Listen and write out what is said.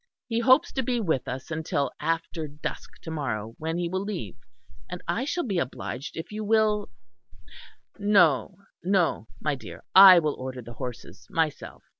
He hopes to be with us until after dusk to morrow when he will leave; and I shall be obliged if you will No, no, my dear. I will order the horses myself."